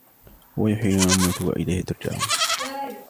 هُوَ يُحْيِي وَيُمِيتُ وَإِلَيْهِ تُرْجَعُونَ